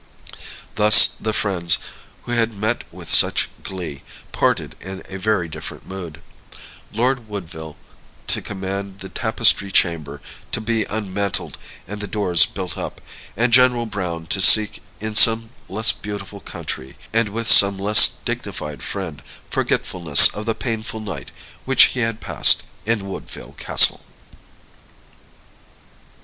Thus the friends, who had met with such glee, parted in a very different mood; Lord Woodville to command the Tapestried Chamber to be unmantled and the door built up, and General Browne to seek in some less beautiful country, and with some less dignified friend, forgetfulness of the painful night which he had passed in Woodville Castle.